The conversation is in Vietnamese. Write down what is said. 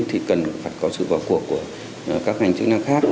thì cần phải có sự vào cuộc của các ngành chức năng khác